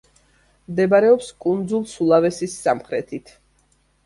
მდებარეობს კუნძულ სულავესის სამხრეთით.